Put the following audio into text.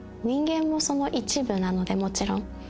人間もその一部なのでもちろん。